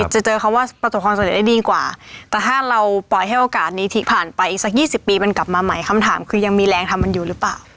จะเจอคำว่าประสบความสำเร็จได้ดีกว่าแต่ถ้าเราปล่อยให้โอกาสนี้ที่ผ่านไปอีกสัก๒๐ปีมันกลับมาใหม่คำถามคือยังมีแรงทำมันอยู่หรือเปล่า